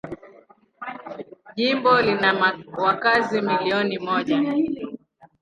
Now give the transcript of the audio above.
Jimbo lina wakazi milioni moja.